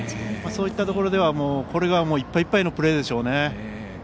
そういったところでは、これがいっぱいいっぱいのプレーでしょうね。